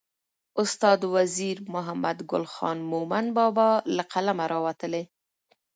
استاد وزیر محمدګل خان مومند بابا له قلمه راوتلې.